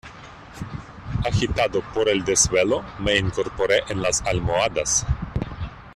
agitado por el desvelo me incorporé en las almohadas.